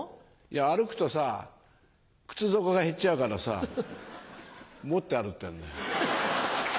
歩くとさ靴底が減っちゃうからさ持って歩いてんのよ。